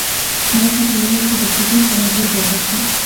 آيا په ټولنه کي د فکري تنوع اجازه سته؟